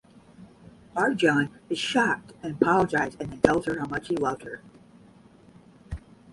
Arjun is shocked and apologizes and then tells her how much he loved her.